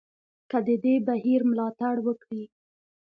که د دې بهیر ملاتړ وکړي.